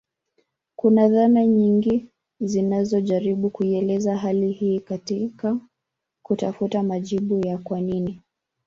Kuna dhana nyingi zinazojaribu kuielezea hali hii katika kutafuta majibu ya kwa nini